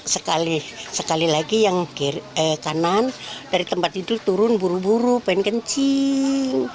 sekali sekali lagi yang kanan dari tempat tidur turun buru buru pengen kencing